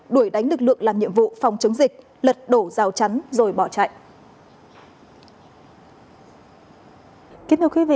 đuổi đánh lực lượng làm nhiệm vụ phòng chống dịch lật đổ rào chắn rồi bỏ chạy